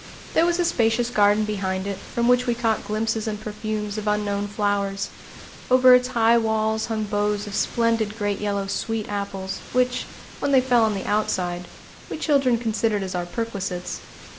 There was a spacious garden behind it, from which we caught glimpses and perfumes of unknown flowers. Over its high walls hung boughs of splendid great yellow sweet apples, which, when they fell on the outside, we children considered as our perquisites.